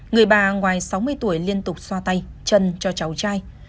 người bà ngoài sáu mươi tuổi liên tục xoa tay chân cho cháu trai